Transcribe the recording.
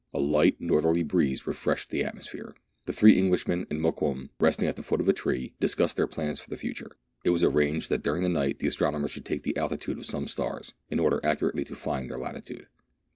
A light northerly breeze refreshed the atmosphere. The three Englishmen and Mokoum, resting at the foot of a tree, discussed their plans for the future. It was arranged that during the night the astronomers should take the altitude of some stars, in ' order accurately to find their latitude.